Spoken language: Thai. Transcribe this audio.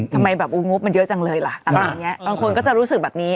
ทำไมแบบอู๋งบมันเยอะจังเลยล่ะบางคนก็จะรู้สึกแบบนี้